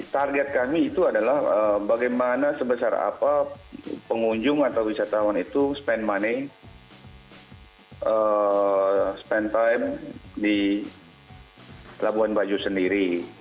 target kami itu adalah bagaimana sebesar apa pengunjung atau wisatawan itu spend money spend time di labuan bajo sendiri